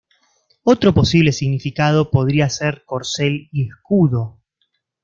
Otro posible significado podría ser 'corcel y escudo'.